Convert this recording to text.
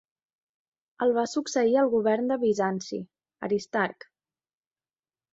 El va succeir al govern de Bizanci, Aristarc.